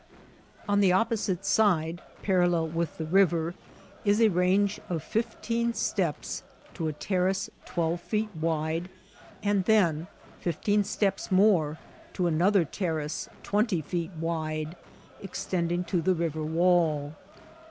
On the opposite side, parallel with the river, is a range of fifteen steps to a terrace twelve feet wide, and then fifteen steps more to another terrace twmity feet wide, extending to the river wall.